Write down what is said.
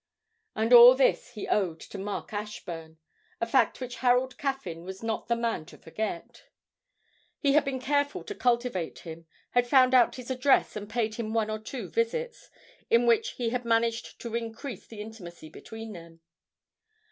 And all this he owed to Mark Ashburn a fact which Harold Caffyn was not the man to forget. He had been careful to cultivate him, had found out his address and paid him one or two visits, in which he had managed to increase the intimacy between them.